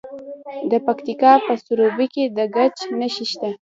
د پکتیکا په سروبي کې د ګچ نښې شته.